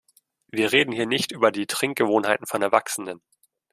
Wir reden hier nicht über die Trinkgewohnheiten von Erwachsenen.